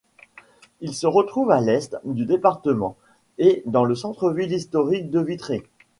Il se trouve à l'est du département et dans le centre-ville historique de Vitré.